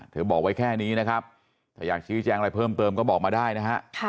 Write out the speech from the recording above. บอกไว้แค่นี้นะครับถ้าอยากชี้แจงอะไรเพิ่มเติมก็บอกมาได้นะฮะ